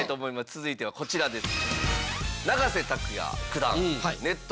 続いてはこちらです。